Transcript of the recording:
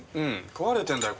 壊れてるんだよ